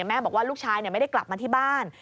แม่บอกว่าลูกชายไม่ได้กลับมาที่บ้าน